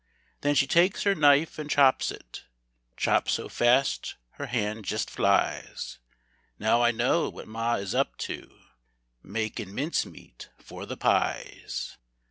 Then she takes her knife an' chops it, Chops so fast her hand jest flies. Now I know what ma is up to Makin' mincemeat for the pies.